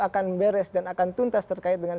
akan beres dan akan tuntas terkait dengan